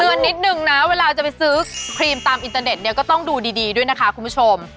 เตือนนิดนึงนะเวลาจะไปซื้อครีมตามอินเตอร์เน็ตเนี่ยก็ต้องดูดีด้วยนะคะคุณผู้ชม